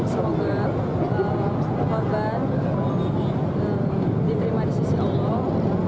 semoga korban diterima di sisi allah